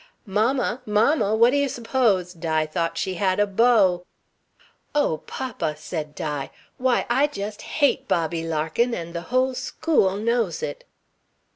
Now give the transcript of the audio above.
"Mamma! Mamma! What do you s'pose? Di thought she had a beau " "Oh, papa!" said Di. "Why, I just hate Bobby Larkin and the whole school knows it."